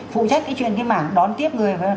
phụ trách cái chuyện cái mảng đón tiếp người